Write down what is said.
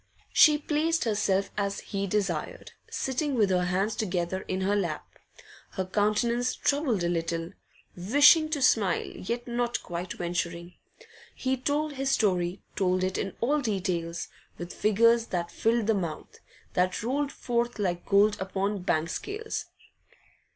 She placed herself as he desired, sitting with her hands together in her lap, her countenance troubled a little, wishing to smile, yet not quite venturing. And he told his story, told it in all details, with figures that filled the mouth, that rolled forth like gold upon the bank scales.